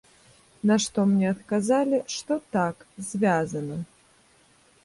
На што мне адказалі, што так, звязана.